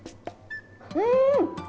うん！